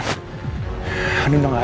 dia mau ke sana